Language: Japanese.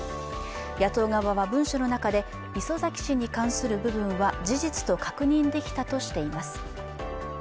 野党側は文書の中で礒崎氏に関する部分は事実と確認できたとしています。